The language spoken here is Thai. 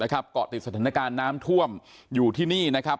เกาะติดสถานการณ์น้ำท่วมอยู่ที่นี่นะครับ